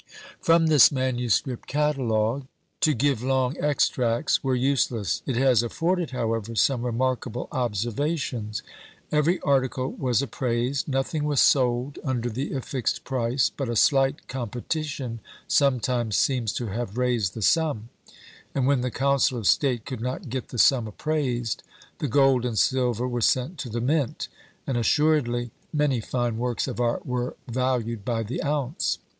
From this manuscript catalogue to give long extracts were useless; it has afforded, however, some remarkable observations. Every article was appraised, nothing was sold under the affixed price, but a slight competition sometimes seems to have raised the sum; and when the Council of State could not get the sum appraised, the gold and silver were sent to the Mint; and assuredly many fine works of art were valued by the ounce.